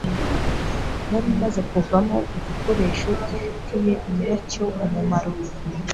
nari maze kuvamo igikoresho gifitiye nyiracyo umumaro